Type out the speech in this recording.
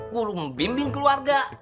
kudu membimbing keluarga